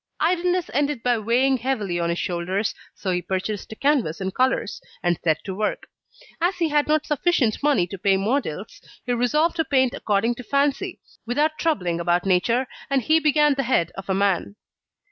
Idleness ended by weighing heavily on his shoulders, so he purchased a canvas and colours, and set to work. As he had not sufficient money to pay models, he resolved to paint according to fancy, without troubling about nature, and he began the head of a man.